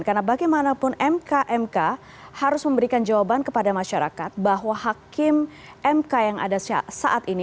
karena bagaimanapun mkmk harus memberikan jawaban kepada masyarakat bahwa hakim mk yang ada saat ini